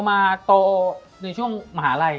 มันทำให้ชีวิตผู้มันไปไม่รอด